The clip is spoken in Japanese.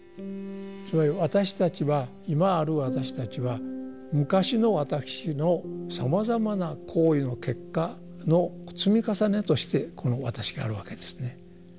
つまり私たちは今ある私たちは昔の私のさまざまな行為の結果の積み重ねとしてこの私があるわけですね。